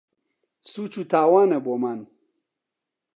سووچ و تاوانە بۆمان